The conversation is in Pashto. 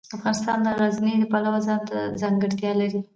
افغانستان د غزني د پلوه ځانته ځانګړتیا لري.